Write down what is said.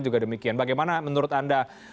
juga demikian bagaimana menurut anda